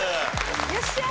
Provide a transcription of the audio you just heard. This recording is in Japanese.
よっしゃー！